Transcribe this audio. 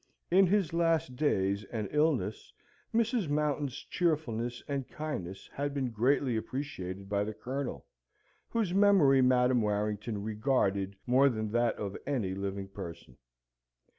In his last days and illness, Mrs. Mountain's cheerfulness and kindness had been greatly appreciated by the Colonel, whose memory Madam Warrington regarded more than that of any living person.